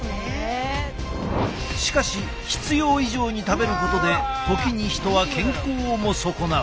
しかし必要以上に食べることで時に人は健康をも損なう。